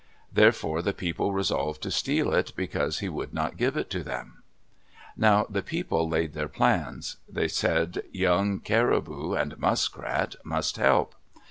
Therefore the people resolved to steal it, because he would not give it to them. Now the people laid their plans. They said Young Caribou and Muskrat must help.